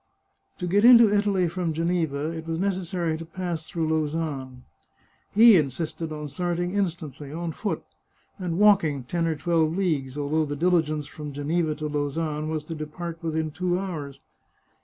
To get into Italy from Geneva, it was necessary to pass through Lausanne. He insisted on starting in stantly on foot, and walking ten or twelve leagues, although the diligence from Geneva to Lausanne was to depart within two hours.